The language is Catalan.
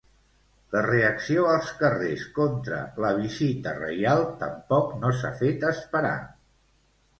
La reacció als carrers contra la visita reial tampoc no s'ha fet esperar.